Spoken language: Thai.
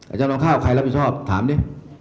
อาจารย์น้องข้าวใครรับผิดชอบถามดิ